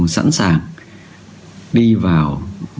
sẵn sàng đi vào